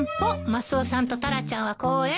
マスオさんとタラちゃんは公園。